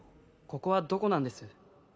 ここはどこなんです？